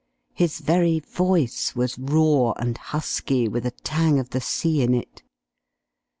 His very voice was raw and husky with a tang of the sea in it.